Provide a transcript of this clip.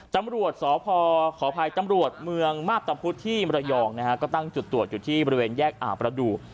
ตำรวจสพขออภัยตำรวจเมืองมาพตะพุทธที่มรยองนะฮะก็ตั้งจุดตรวจอยู่ที่บริเวณแยกอ่าวประดูก